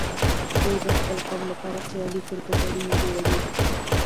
دوی د خپل قوم لپاره خيالي کرکټرونه جوړوي.